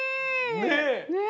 ねえ！